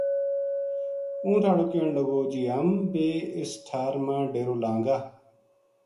اونٹھاں ہاڑو کہن لگو جی ہم بی اسے ٹھار ما ڈیرو لاں گا